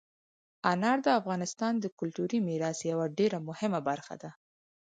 انار د افغانستان د کلتوري میراث یوه ډېره مهمه برخه ده.